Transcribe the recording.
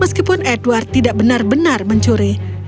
meskipun edward tidak benar benar mencuri